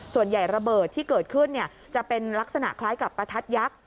ระเบิดที่เกิดขึ้นจะเป็นลักษณะคล้ายกับประทัดยักษ์